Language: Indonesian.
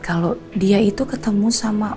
kalau dia itu ketemu sama